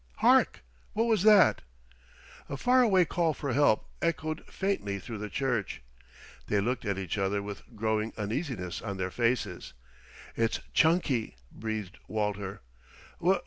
Hark! What was that?" A far away call for help echoed faintly through the church. They looked at each other with growing uneasiness on their faces. "It's Chunky," breathed Walter.